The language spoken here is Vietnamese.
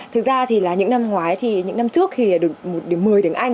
thực ra thì là những năm ngoái thì những năm trước thì được một điểm một mươi tiếng anh